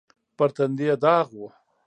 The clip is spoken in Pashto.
پر تندي يې داغ و.